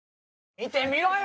見てみろよ！